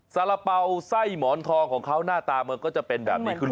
สาระเป๋าไส้หมอนทองของเขาหน้าตามันก็จะเป็นแบบนี้คุณ